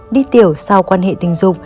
đi tiểu sau quan hệ tình dục